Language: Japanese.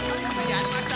やりました！